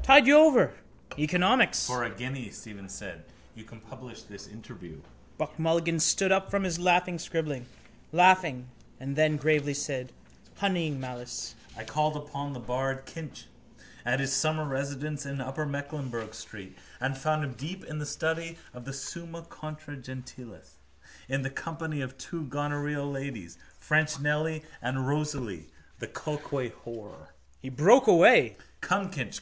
Tide you over. Economics. —For a guinea, Stephen said, you can publish this interview. Buck Mulligan stood up from his laughing scribbling, laughing: and then gravely said, honeying malice: —I called upon the bard Kinch at his summer residence in upper Mecklenburgh street and found him deep in the study of the Summa contra Gentiles in the company of two gonorrheal ladies, Fresh Nelly and Rosalie, the coalquay whore. He broke away. —Come, Kinch.